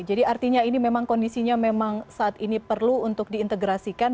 jadi artinya ini memang kondisinya memang saat ini perlu untuk diintegrasikan